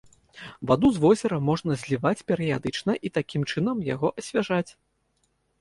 Ваду з возера можна зліваць перыядычна і такім чынам яго асвяжаць.